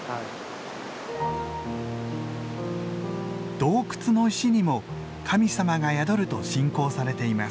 洞窟の石にも神様が宿ると信仰されています。